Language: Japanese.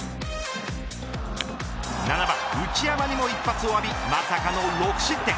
７番内山にも一発を浴びまさかの６失点。